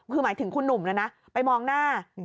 คือหมายถึงคุณหนุ่มนะนะไปมองหน้า